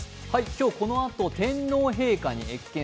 今日、このあと天皇陛下に謁見。